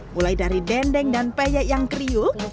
mulai dari dendeng dan peyek yang kriuk